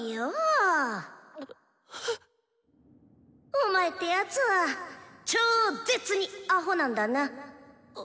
お前ってやつは超ッ絶にアホなんだな。